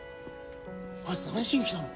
あいつ何しに来たの？